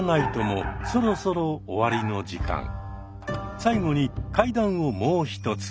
最後に怪談をもう一つ。